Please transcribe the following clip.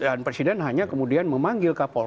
dan presiden hanya kemudian memanggil kapolri